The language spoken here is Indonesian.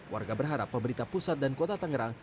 warga berharap pemerintah pusat dan kota tangerang